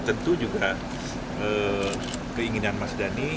tentu juga keinginan mas dhani